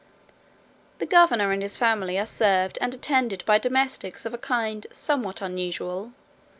The governor and his family are served and attended by domestics of a kind somewhat unusual.